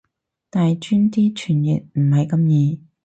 大專啲傳譯唔係咁易